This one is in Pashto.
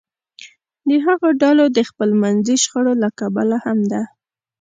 د هغو ډلو د خپلمنځي شخړو له کبله هم ده